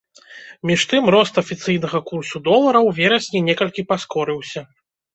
Між тым рост афіцыйнага курсу долара ў верасні некалькі паскорыўся.